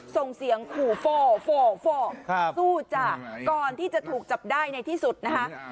ส่งเสียงขู่โฟโฟสู้จ้ะก่อนที่จะถูกจับได้ในที่สุดนะคะ